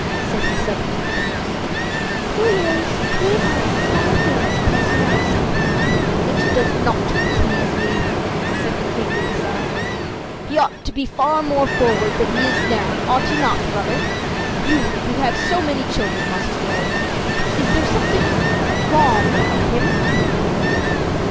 said he suddenly to the nurse. "Two years, three months, and five days, please your Majesty." "It does not please me," said the King, with a sigh. "He ought to be far more forward than he is now ought he not, brother? You, who have so many children, must know. Is there not something wrong about him?"